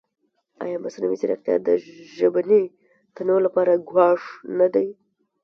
ایا مصنوعي ځیرکتیا د ژبني تنوع لپاره ګواښ نه دی؟